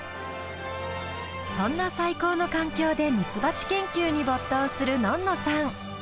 そんな最高の環境でミツバチ研究に没頭するのんのさん。